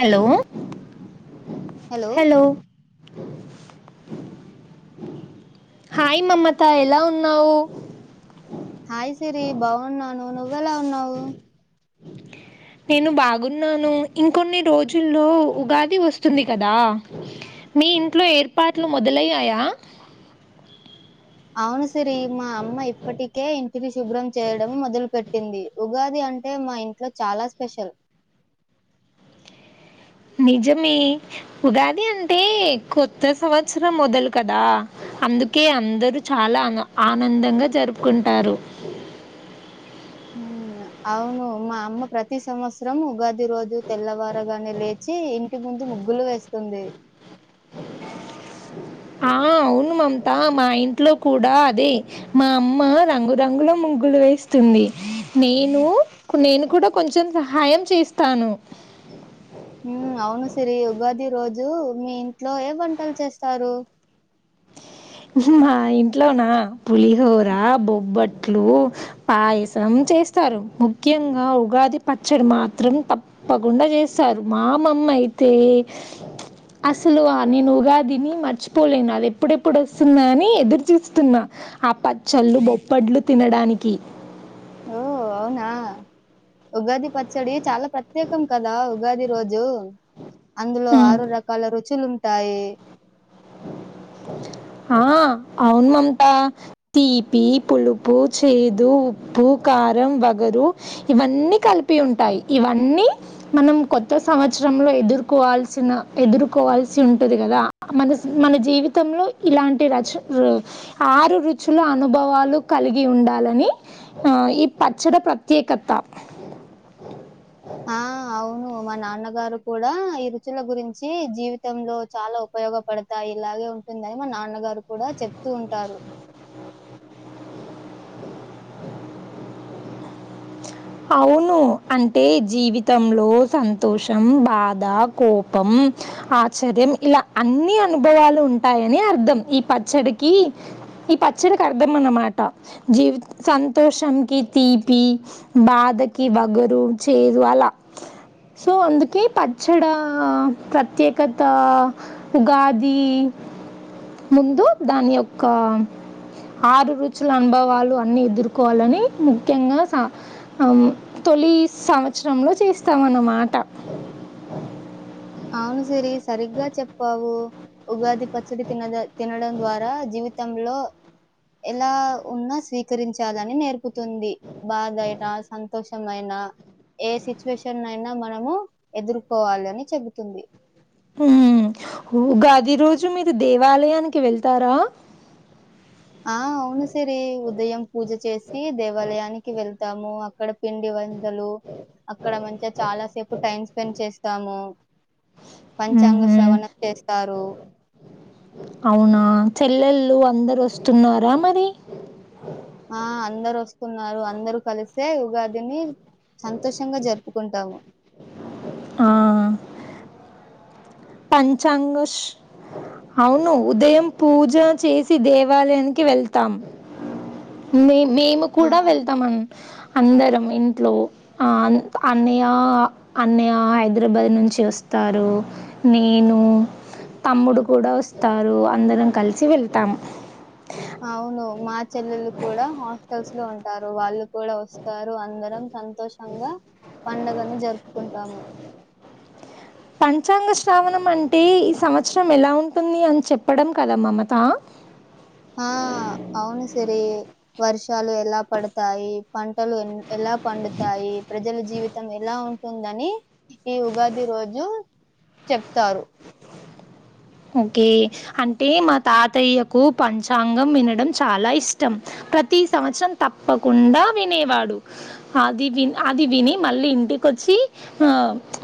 Hello hello hello hi Mamata ఎలా ఉన్నావ్? Hi Siri బాగున్నాను నువ్ వ్వె ఎలా ఉన్నావు నేను బాగున్నాను ఇంకొన్ని రోజుల్లో ఉగాది వస్తుంది కదా, మీ ఇంట్లో ఏర్పాట్లు మొదలయ్యాయా. అవును సిరి మా అమ్మ ఇప్పటికే ఇంటిని శుభ్రం చేయడం మొదలు పెట్ పెట్టింది ఉగాది అంటే మా ఇంట్లో చాలా స్పెషల్ నిజమే ఉగాది అంటే కొత్త సంవత్సరం మొదలు కదా అందుకే అందరు చాలా ఆనం ఆనందంగా జరుపుకుంటారు ఉమ్, అవును మా అమ్మ ప్రతి సంవత్సరం ఉగాది ది రోజు తెల్లవారగానే లేచి ఇంటి ముందు ముగ్గులు వేస్తుంది ఆ అవును మమత మా ఇంట్లో కూడా అదే మా అమ్మ రంగురంగుల ముగ్గులు వేస్తుంది నేనూ నేను కూడా కొంచెం సహాయం చేస్తాను ఉ అవును సిరి ఉగాది రోజు మీ ఇంట్లో ఏ వంటలు చేస్తారు మా ఇంట్లోనా పులిహోర బొబ్బట్లు పాయసం చేస్తారు ముఖ్యంగా ఉగాది పచ్చడి మాత్రం తప్పకుండా చేస్తారు మా అమమ్మ అయితే అసలు నేను ఉగాదిని మర్చిపోలేను అది ఎప్పుడప్ప్ ఎప్పుడొస్తుంద అని ఎదురు చూస్తున్నా ఆ పచ్చళ్ళు బొప్పట్లు తినడానికి ఓ అవునా ఉగాది పచ్చడి చాలా ప్రత్యేకం కదా ఉగాది రోజు అందులో ఉమ్. ఆరు రకాల రుచులు ఉంటాయి హ అవును మమత తీపి పులుపు చేదు ఉప్పు కారం వగరు ఇవన్నీ కలిపి ఉంటాయి ఇవన్నీ మనం కొత్త సంవత్సరంలో ఎదుర్కోవాల్సిన ఎదుర్కోవాల్సి ఉంటుంది కదా మనక్ మన జీవిత తంలో ఇలాంటి రచ ఆరు రుచుల అనుభవాలు కలిగి ఉండాలని ఆ ఈ పచ్చడి ప్రత్యేకత ఆ అవును మా నాన్నగారు కూడా ఈ రుచుల గురించి జీవితంలో చాలా ఉపయోగపడతాయి ఇలాగే ఉంటుందని మా నాన్నగారు కూడా చెప్తూ ఉంటారు అవును అంటే జీవితంలో సంతోషం బాధ కోపం ఆశ్చర్యం ఇలా అన్ని అనుభవాలు ఉంటాయని అర్థం ఈ పచ్చడికి ఈ పచ్చడికి అర్థం అన్నమాట జీవి సంతోషంకి తీపి బాధకి బగరు చేరు అలా సో అందుకే పచ్చడి ప్రత్యేకత ఉగాది ముందు దాని యొక్క ఆరు రుచుల అనుభవాలు అన్నీ ఎదుర్కోవాలని ముఖ్యంగా సా ఆ తొలి సంవత్సరంలో చేస్తాం అన్నమాట అవును సిరి సరిగ్గా చెప్పావు ఉగాది పచ్చడి తిన తినడం ద్వారా జీవిత తంలో ఎలా ఉన్నా స్వీకరించాలని నేర్పుతుంది బాధయినా సంతోషమ అయినా ఏ సిచ్యువేషన్ అయినా మనము ఎదుర్కోవాలి అని చెబ తుంది మ్... ఉగాది రోజు మీరు దేవాలయానికి వెళ్తారా ఆ అవును సిరీ ఉదయం పూజ చేసి దేవాలయానికి వెళ్ తాము అక్కడ పిండి వంటలు అక్కడ మంచిగా చాలా సేపు టైమ్ స్పెండ్ చేస్తాము పంచాంగ శ్రవణం చేస్తారు ల్లు అందరు వస్తున్నారా మరి ఆ అందరు వస్తున్నారు అందరూ కలిసే ఉగాదిని సంతోషంగా జరుపుకుంటాము అ... పంచాంగ ష్ అవును ఉదయం పూజ చేసి దేవాలయానికి వెళ్తాం మే మేము ఆ కూడా వెళ్తామన్ అందరం ఇంట్లో ఆ అన్యా అన్నయ హైదరాబాద్ నుంచి వస్తారు నేను తమ్ముడు కూడా వస్తారు అందరం కలిసి వెళ్తాము అవును మా చెల్లెలు కూడా హాస్టల్స్ లో ఉంటారు వాళ్ళు కూడా వస్తారు అందరం సంతోషంగా పండగని జరుపుకుంటాము పంచాంగ శ్రావణం అంటే ఈ సంవత్సరం ఎలా ఉంటుంది అని చెప్పడం కదా మమత ఆ అవును సిరి వర్షాలు ఎలా పడతాయి పం టలు ఎలా పండుతాయి ప్ర జల జీవితం ఎలా ఉంటుందని ఈ ఉగాది రోజు చెప్తారు. ఓకే అంటే మా తాతయ్యకు పంచాంగం వినడం చాలా ఇష్టం. ప్రతి సంవత్సరం తప్పకుండా వినేవాడు అది ది అది విని మళ్ళీ ఇంటికొచ్చి ఆ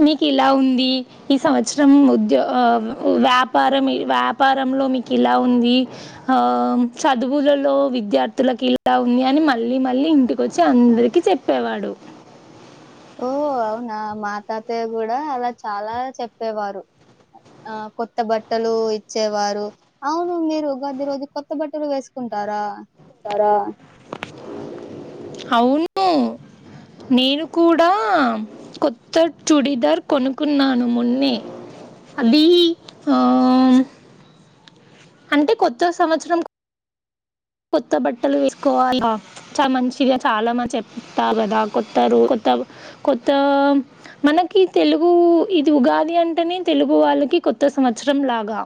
మీకు ఇలా ఉంది. ఈ సంవత్సరం ఉద్య వ్యా పారం వ్యాపారంలో మీకు ఇలా ఉంది పారం వ్యాపారం లో మీకు ఇలా ఉంది చదువులలో విద్యార్థులలకు ఇలా ఉంది. అని మళ్ళీ మళ్ళీ ఇంటికి వచ్చి అందరికీ చెప్పేవాడు. ఓ అవునా మా తాతయ్య కూడా అలా చాలా చెప్పేవారు, ఆ కొత్త బట్టలు ఇచ్చేవారు. అవును మీరు ఉగాది రోజు కొత్త బట్టలు వేసుకుంటారా. అవును నేను కూడా కొత్త చూడిదార్ కొనుకున్నాను మొన్నే అది ఆ అంటే కొత్త సంవత్సరం కొత్త బట్టలు వేసుకోవాల చ మంచిగా చాలా మంది చెప్తారు కదా, కొత్త రు కొత్త కొత్త మనకి తెలుగు ఇది ఉగాది అంటేనే తెలుగు వాళ్ళకి కొత్త సంవత్సరం లాగా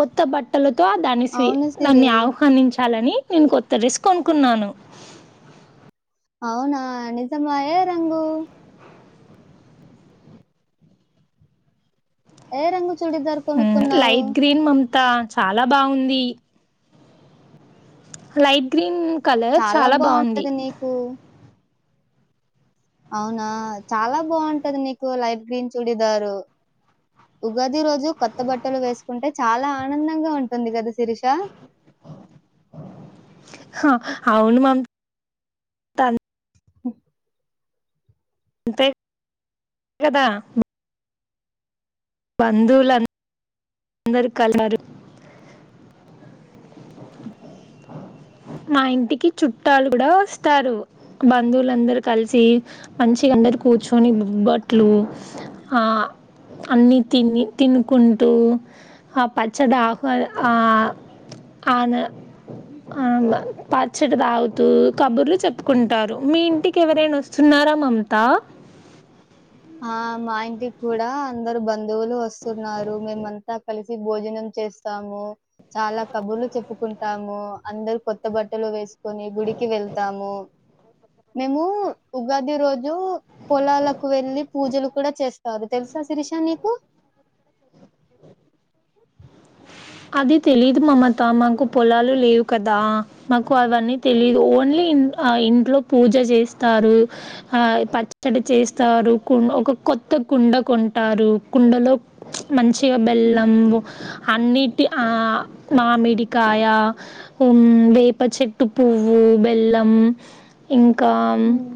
కొత్త బట్టలు, తో ఆ దాన్ని స్వి అవును దాన్ని సిరి ఆహ్ చాలని నేను కొత్త డ్రెస్ కొనుకున్నాను అవునా నిజమా ఏ రంగు ఏ రంగు చుడిదార్ కొనుకున్నావు త చాలా బాగుంది లైట్ గ్రీన్ కలర్ చాలా బాగుంది బాగుంటది నీకు అవునా చాలా బాగుంటది నీకు లైఫ్ గ్రీన్ చూడిదారు ఉగాది రోజు కొత్త బట్టలు వేసుకుంటే చాలా ఆనందంగా ఉంటుంది కదా సిరిషా హ, అవును త తే కదా బందులన్ అందరు కల్ స్తారు మా ఇంటికి చుట్టాలు కూడా వస్తారు బంధువులందరు కలిసి మంచిగా అందరు కూర్చొని బుబ్బట్లు ఆ అన్ని తిని తినుకుంటూ ఆ పచ్చడి ఆహ్వా ఆ ఆన అ పచ్చడి తాగుతూ కబుర్లు చెప్పుకుంటారు మీ ఇంటికి ఎవరైనా వస్తున్నారా మమత ఆ మా ఇంటికి కూడా అందరు బంధువులు వస్తున్నారు మేమంతా కలిసి భోజనం చేస్తాము చాలా కబుర్లు చెప్పుకుంటాము అందరు కొత్త బట్టలు వేసుకొని గుడికి వెళ్తాము మేము ఉగాది రోజు పొలాలకు వెళ్ళి పూజలు కూడా చేస్తారు తెలుస శిరీష నీకు అది తెలీదు మమత మాకు పొలాలు లేవు కదా మాకు అవన్నీ తెలీదు ఓన్లీ ఆ ఇంట్లో పూజ చేస్తారు ఆ పచ్చడి చేస్తారు కు ఒక కొత్త కుండ కొంటారు కుండలో మంచిగా బెల్లం అన్ని మామిడికాయ వేప చెట్టు పువ్వు బెల్లం ఇం కా హ్మ్.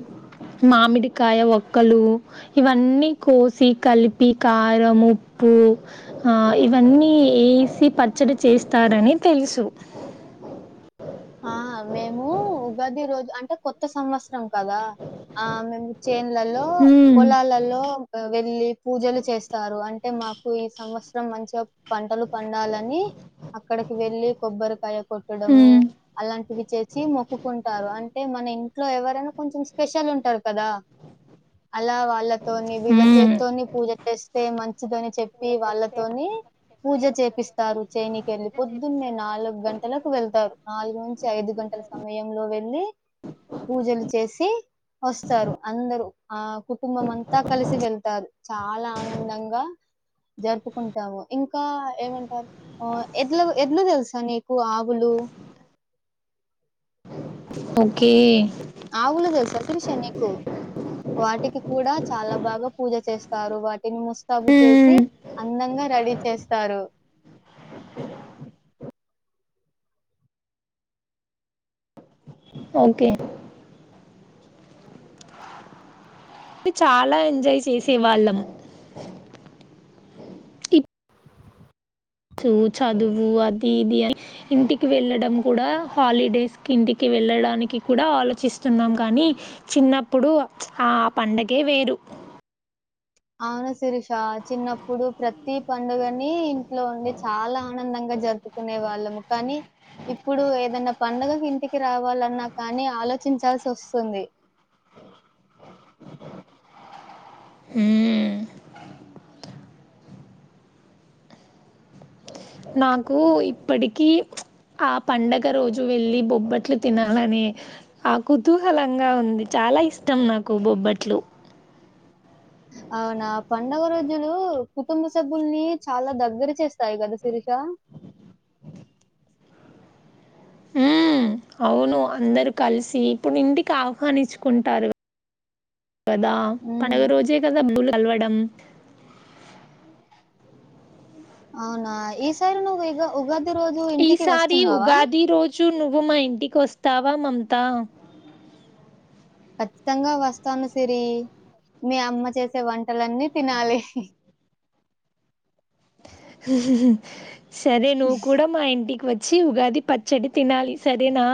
మామిడికాయ ఒక్కలు ఇవన్నీ కోసి కలిపి కారం ఉప్పు ఇవన్నీ ఎసి పచ్చడి చేస్తారని తెలుసు ఆ మేము ఉగాది రోజు అంటే కొత్త సంవత్సరం కదా ఆ మేము చేన్లలో హ్మ్ పొలాలలో వెళ్ళి పూజలు చేస్తారు అంటే మాకు ఈ సంవత్సరం మంచిగ పంటలు పండాలని అక్కడికి వెళ్ళలి కొబ్బరికాయ కొట్టడము హ్మ్ అలాంటివి చేసి మొక్కుకుంటారు అంటే మన ఇంట్లో ఎవరైనా కొంచెం స్పెషల్ ఉంటారు కదా అలా వాళ్ళతోని వీళ్ళ హ్మ్ చేతితోని పూజ చేస్ మంచి వచ్చితోని చెప్పి వాళ్ళతోని పూజ చేపిస్తారు చేనికి వెళ్ళి పొద్దున్నే నాలుగు గంటలకు వెళ్తారు నాలుగు నుంచి ఐదు గంటల సమయంలో వెళ్ళి పూజలు చేసి వస్తారు అందరూ ఆ కుటుంబం అంతా కలిసి వెళ్తారు చాలా ఆనందంగా జరుపుకుంటాము ఇంకా ఏమంటారు ఎడ్ల ఎడ్లు తెలుసా నీకు ఆవులు ఓకే ఆవులు తెలుసా త్రిష నీకు వాటికి కూడా చాలా బాగా పూజ చేస్తారు వా ని ముస్తాబు చేసి హ్మ్ అందంగా రెడీ చేస్తారు ఓకే చాలా ఎంజాయ్ చేసే వాళ్ళము సు చదువు అది ఇది అని ఇంటికి వెళ్ళడం కూడా హాలిడేస్ కి ఇంటికి వెళ్ళడానికి కూడా ఆలోచిస్తున్నాం కానీ చిన్నప్పుడు ఆ పండగే వేరు అవును శిరష చిన్నప్పుడు ప్రతి పండుగని ఇంట్లో ఉండి చాలా ఆనందంగా జరుపుకునే వాళ్ళము కానీ ఇప్పుడు ఏదనా పండుగకు ఇంటికి రావాలన్నా కానీ ఆలోచించాల్సి వస్తుంది హు నాకు ఇప్పటికి ఆ పండగ రోజు వెళ్లి బొబ్బట్లు తినాలనే ఆ కుతూహలంగా ఉంది చాలా ఇష్టం నాకు బొబ్బట్లు అవునా పండుగ రోజులు కుటుంబ సభ్యుల్ని చాలా దగ్గర చేస్తాయి కదా శిరీష ఉ అవును అందరూ కలిసి ఇప్పుడు ఇంటికి ఆహ్వానించుకుంటారు కదా ఉమ్, పండగ రోజే కదా [unintelligible] కలవడం అవునా ఈసారి నువ్వు ఈ ఉగాద్ ఈసారి ఉగాది రోజు నువ్వు మా ఇంటికి కోస్తావా మమత ఖచ్చితంగా వస్తాను సిరి మీ అమ్మ చేసే వంటలన్నీ తినాలి హుహు సరే నువ్వు కూడా మా ఇంటికి వ పచ్చి ఉగాది పచ్చడి తినాలి సరేనా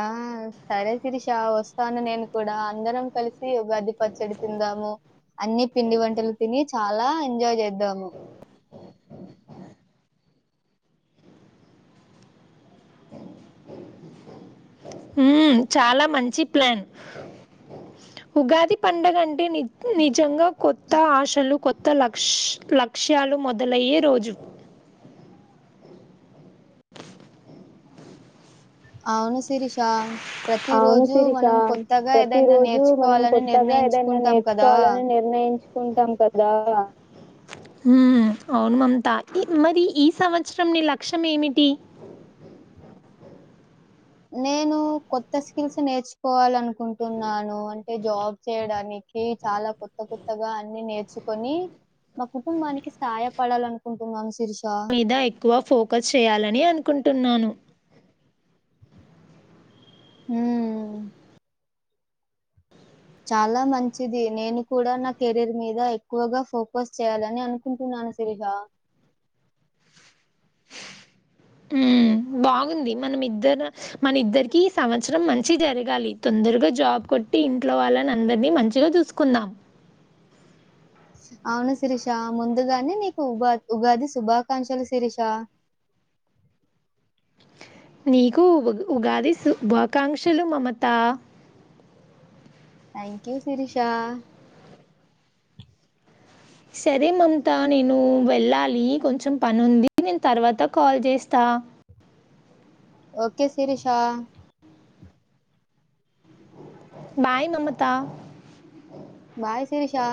ఆ సరే త్రిష వస్తాను నేను కూడా అందరం కలిసి ఉగాది పచ్చడి తిందాము అన్ని పిండి వంటలు తిని చాలా ఎంజాయ్ చేద్దాము హ చాలా మంచి ప్లాన్ ఉగాది పండగ అంటే నే నిజంగా కొత్త ఆశలు కొత్త లక్ష లక్ష్యాలు మొదలయ్యే రోజు అవును శిరీష ప్రతి అవును రోజు శిరిష మనం కొత్తగా ప్రతి ఏదైనా రోజు మనం నేర్చుకోవాలని కొత్తగా ఏదైనా నిర్ణయించుకుంటాం కదా. నేర్చుకోవాలని నిర్ణయిం యూ అవును మమంతా మరి ఈ సంవత్సరం నీ లక్ష్యం ఏమిటి నేను కొత్త స్కిల్స్ నేర్చుకోవాల అనుకుంటున్నాను అంటే జాబ్ చేయడానికి చాలా కొత్త కొత్తగా అన్ని నేర్చుకొని మా కుటుంబానికి సాయపడాలనుకుంటున్నాను శిరీష. మీద ఎక్కువ ఫోకస్ చేయాలని అనుకుంటున్నాను యూ చాలా మంచిది నేను కూడా నా కెరీర్ మీద ఎక్కువగా ఫోకస్ చేయాలని అనుకుంటున్నాను శిరీష ఉ బాగుంది మనం ఇద్దరు మన ఇద్దరికి సంవత్సరం మంచి జరగాలి తొందరగా జాబ్ కొట్టి ఇంట్లో వాళ్ళని అందరినీ మంచిగా చూసుకుందాం అవును శిరీష ముందుగానే నీకు ఉగా ఉగాది శుభాకాంక్షలు శిరీష నీకు ఉ ఉగాది శుభాకాంక్షలు మమత థ్యాంక్ యూ శిరిషా సరే మమత నేను వెళ్ళాలి కొంచెం పనింది నేను తర్వాత కాల్ చేస్తా okay Sirisha bye Mamata. Bye Sirisha.